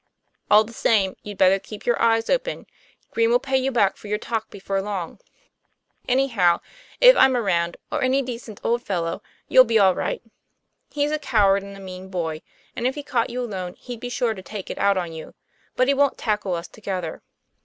"All the same, you'd better keep your eyes open. Green will pay you back for your talk before long. TOM PLAYFAIR. 53 Anyhow, if I'm around, or any decent old fellow, you'll be all right. He's a coward and a mean boy, and if he caught you alone he'd be sure to take it out on you. But he wont tackle us together."